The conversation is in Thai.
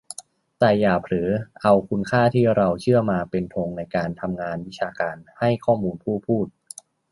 แต่อย่าเผลอเอาคุณค่าที่เราเชื่อมาเป็นธงในการทำงานวิชาการ ให้ข้อมูลพูด